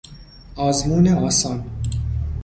آزمون آسان